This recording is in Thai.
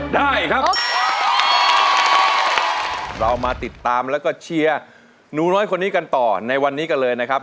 ได้ครับเรามาติดตามแล้วก็เชียร์หนูน้อยคนนี้กันต่อในวันนี้กันเลยนะครับ